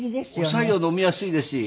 お白湯は飲みやすいですし。